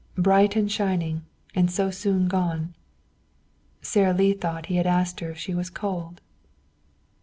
Bright and shining and so soon gone." Sara Lee thought he had asked her if she was cold.